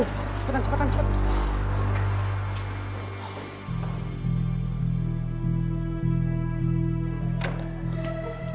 cepetan cepetan cepetan